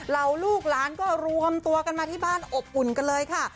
ลูกหลานก็รวมตัวกันมาที่บ้านอบอุ่นกันเลยค่ะ